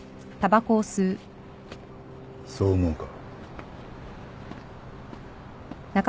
そう思うか？